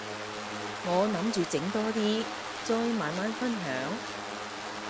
我諗住整多啲，再慢慢分享